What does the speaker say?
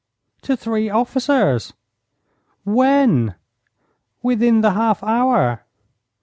'To three officers.' 'When?' 'Within the half hour.'